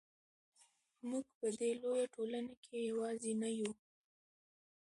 موږ په دې لویه ټولنه کې یوازې نه یو.